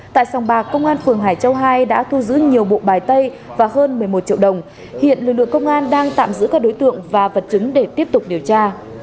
tại sòng bạc công an phường hải châu hai đã thu giữ nhiều bộ bài tay và hơn một mươi một triệu đồng hiện lực lượng công an đang tạm giữ các đối tượng và vật chứng để tiếp tục điều tra